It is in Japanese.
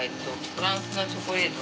フランスのチョコレート。